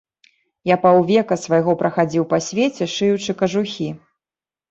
Я паўвека свайго прахадзіў па свеце, шыючы кажухі.